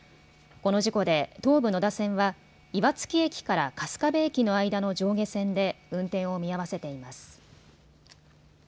この事故で東武野田線は岩槻駅から春日部駅の間の上下線で運転を見合わせています。